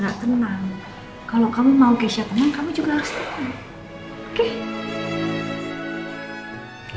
kalau kamu mau keisha tenang kamu juga harus tenang